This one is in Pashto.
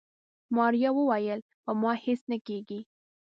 ماريا وويل په ما هيڅ نه کيږي.